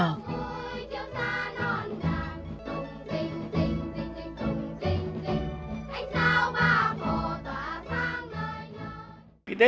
tiết trùng thu